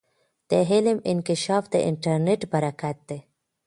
د علم انکشاف د انټرنیټ برکت دی.